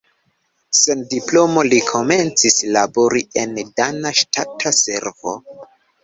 Sen diplomo li komencis labori en dana ŝtata servo.